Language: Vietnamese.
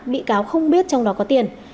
bị cáo không biết trong đó có tiền